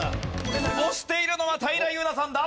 押しているのは平祐奈さんだ！